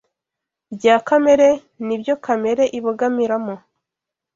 bya kamere n’ibyo kamere ibogamiramo,